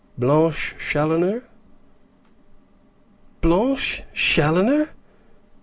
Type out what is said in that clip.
"Blanche Challoner." "Blanche Challoner!"